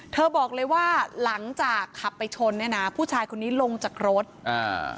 เธอบอกเลยว่าหลังจากขับไปชนเนี้ยนะผู้ชายคนนี้ลงจากรถอ่า